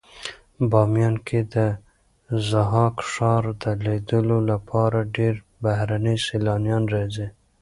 بامیان کې د ضحاک ښار د لیدلو لپاره ډېر بهرني سېلانیان راځي.